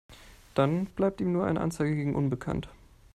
Dann bleibt ihm nur eine Anzeige gegen unbekannt.